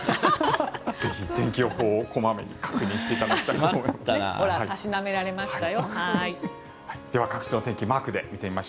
ぜひ天気予報を小まめに確認していただきたいです。